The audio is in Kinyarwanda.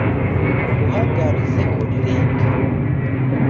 Nguhangarize ho rirenge